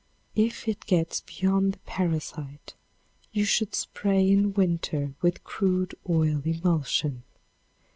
If it gets beyond the parasite, you should spray in winter with crude oil emulsion.